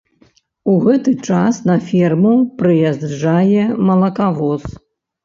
У гэты час на ферму прыязджае малакавоз.